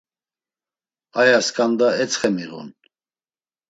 Aya skanda etsxe miğun.